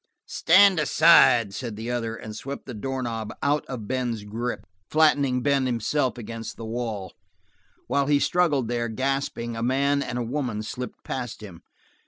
"Stand aside," said the other, and swept the doorknob out of Ben's grip, flattening Ben himself against the wall. While he struggled there, gasping, a man and a woman slipped past him.